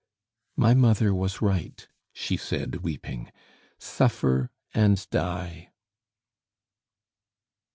"My mother was right," she said, weeping. "Suffer and die!"